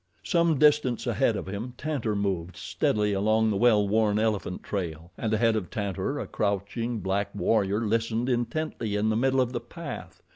Some distance ahead of him Tantor moved steadily along the well worn elephant trail, and ahead of Tantor a crouching, black warrior listened intently in the middle of the path.